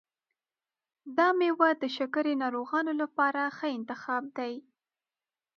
دا میوه د شکرې ناروغانو لپاره ښه انتخاب دی.